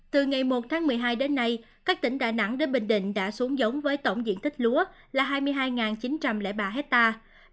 từ ngày một tháng một mươi hai đến nay các tỉnh đà nẵng đến bình định đã xuống giống với tổng diện tích lúa là hai mươi hai chín trăm linh ba hectare